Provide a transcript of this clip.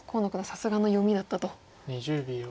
さすがの読みだったと。